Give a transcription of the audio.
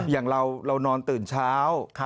อย่างเรานอนตื่นเช้า